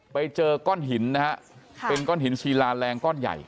ไปเจอก้อนหินนะฮะเป็นก้อนหินศิลาแรงก้อนใหญ่